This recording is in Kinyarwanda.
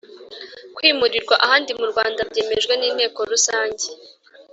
kwimurirwa ahandi mu Rwanda byemejwe n’inteko rusange